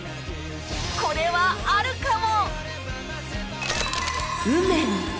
これはあるかも！